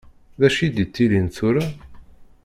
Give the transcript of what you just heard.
Dacu i d-yettilin tura?